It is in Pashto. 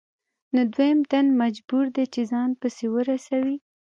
نو دویم تن مجبور دی چې ځان پسې ورسوي